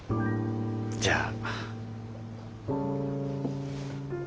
じゃあ。